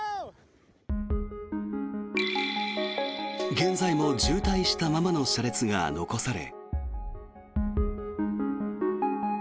現在も渋滞したままの車列が残され。